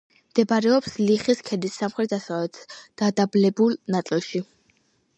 მდებარეობს ლიხის ქედის სამხრეთ-დასავლეთ დადაბლებულ ნაწილში.